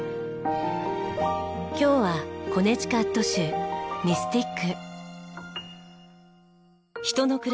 今日はコネチカット州ミスティック。